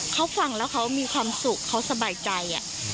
เขาฟังแล้วเขามีความสุขเขาสบายใจ